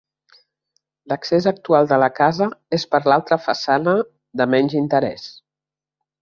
L'accés actual de la casa és per l'altra façana, de menys interès.